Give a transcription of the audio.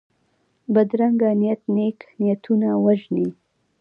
بدرنګه نیت نېک نیتونه وژني